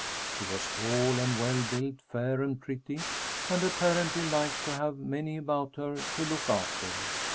She was tall and well built, fair and pretty, and apparently liked to have many about her to look after.